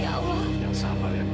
ya allah tolong sembuhkan anakku